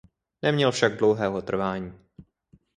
Neměl však dlouhého trvání.